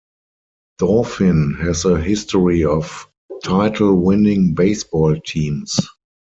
Dauphin has a history of title-winning baseball teams.